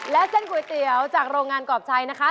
และเส้นก๋วยเตี๋ยวจากโรงงานกรอบชัยนะคะ